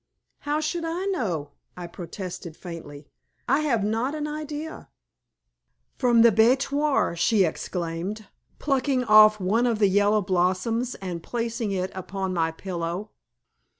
"How should I know?" I protested, faintly. "I have not an idea." "From the bête noir," she exclaimed, plucking off one of the yellow blossoms and placing it upon my pillow.